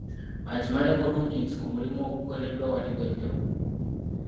Akimanyi bulungi nti ku mulimu ogukoleddwa waliwo enjawulo.